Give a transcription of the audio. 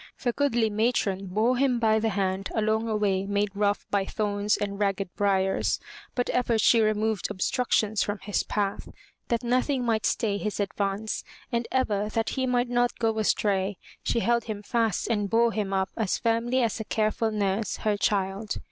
The goodly matron bore him by the hand along a way made rough by thorns and ragged briars, but ever she removed obstructions from his path that nothing might stay his advance, and ever, that he might not go astray, she held him fast and bore him up as firmly as a careful nurse her child.